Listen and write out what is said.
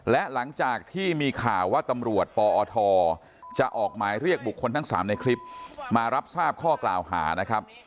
และหลังจากที่มีข่าวว่าตำรวจปอทจะออกหมายเรียกบุคคลทั้ง๓ในคลิปมารับทราบข้อกล่าวหานะครับ